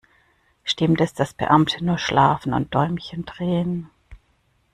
Stimmt es, dass Beamte nur schlafen und Däumchen drehen?